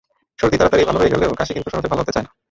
সর্দি তাড়াতাড়ি ভালো হয়ে গেলেও কাশি কিন্তু সহজে ভালো হতে চায় না।